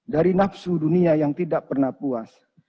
dari nafsu dunia yang tidak pernah puas